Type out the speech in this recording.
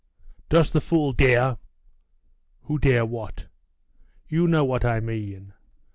'Does the fool dare!' 'Who dare what?' 'You know what I mean.